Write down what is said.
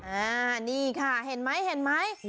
อานี่ค่ะเห็นไหม